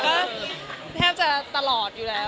ก็แทบจะตลอดอยู่แล้ว